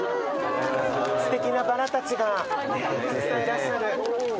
すてきなバラたちがたくさんいらっしゃる。